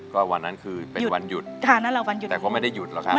ก็วันนั้นคือเป็นวันหยุดแต่ก็ไม่ได้หยุดหรอกครับ